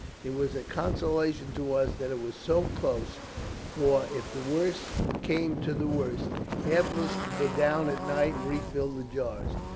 It was a consolation to us that it was so close, for, if the worst came to the worst, half of us could go down at night and refill the jars.